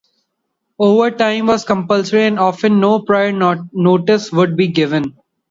Overtime was compulsory and often no prior notice would be given.